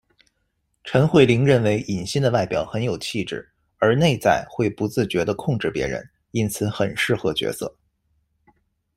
陈慧翎认为尹馨的外表很有气质，而内在会不自觉地控制别人，因此很适合角色。